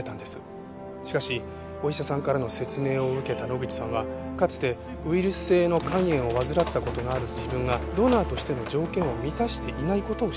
しかしお医者さんからの説明を受けた野口さんはかつてウイルス性の肝炎を患った事のある自分がドナーとしての条件を満たしていない事を知ったんです。